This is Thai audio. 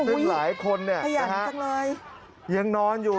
อ๋ออุ๊ยขยันจังเลยซึ่งหลายคนนะครับยังนอนอยู่